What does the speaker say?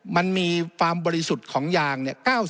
มันมีความบริสุทธิ์ของยางเนี่ย